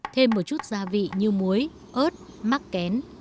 thêm một chút gia vị như muối ớt mắc kén